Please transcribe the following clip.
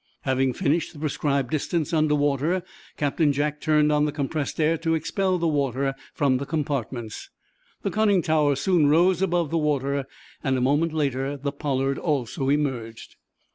Having finished the prescribed distance under water, Captain Jack turned on the compressed air to expel the water from the compartments. The conning tower soon rose above the water, and a moment later the "Pollard" also emerged.